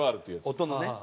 音のね。